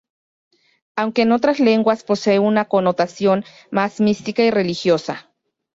Aunque en otras lenguas posee una connotación más mística y religiosa.